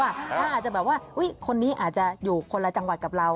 อาจจะแบบว่าคนนี้อาจจะอยู่คนละจังหวัดกับเรา